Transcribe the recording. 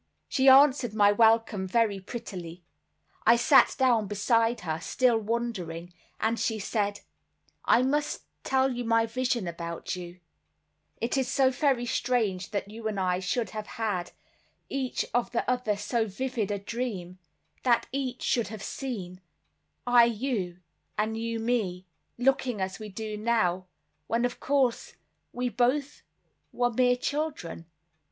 She answered my welcome very prettily. I sat down beside her, still wondering; and she said: "I must tell you my vision about you; it is so very strange that you and I should have had, each of the other so vivid a dream, that each should have seen, I you and you me, looking as we do now, when of course we both were mere children.